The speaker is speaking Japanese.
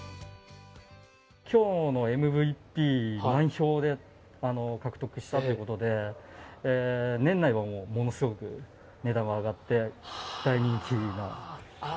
きょうのＭＶＰ満票で獲得したということで、年内はもうものすごく値段が上がって大人気に。